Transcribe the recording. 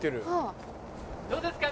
どうですか？